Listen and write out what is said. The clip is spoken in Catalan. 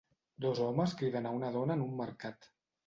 Dos homes cridant a una dona en un mercat.